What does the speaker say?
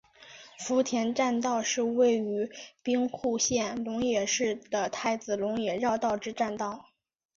福田匝道是位于兵库县龙野市的太子龙野绕道之匝道。